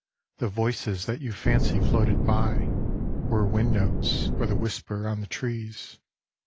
The voices that you fancied floated by Were wind notes, or the whisper on the trees.